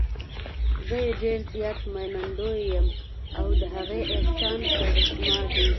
زه یې ډېر زیات منندوی یم او د هغې احسان پر ما دی.